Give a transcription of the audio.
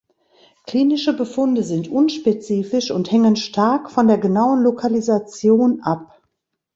Klinische Befunde sind unspezifisch und hängen stark von der genauen Lokalisation ab.